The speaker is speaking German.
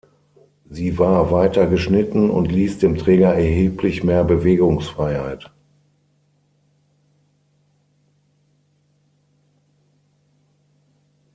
Sie war weiter geschnitten und ließ dem Träger erheblich mehr Bewegungsfreiheit.